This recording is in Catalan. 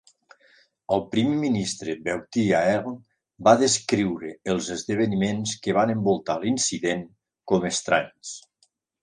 El primer ministre Bertie Ahern va descriure els esdeveniments que van envoltar l'incident com "estranys".